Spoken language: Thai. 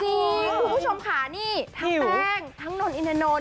พวกผู้ชมขานี่ทั้งแป้งทั้งนร์นอินทรณ์โน้น